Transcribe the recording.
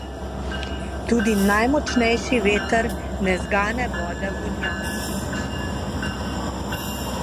Tudi najmočnejši veter ne zgane vode v vodnjaku.